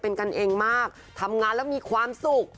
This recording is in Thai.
เป็นกันเองมากทำงานแล้วมีความสุข